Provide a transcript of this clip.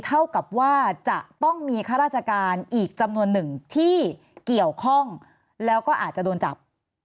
เท่ากับว่าจะต้องมีข้าราชการอีกจำนวนหนึ่งที่เกี่ยวข้องแล้วก็อาจจะโดนจับ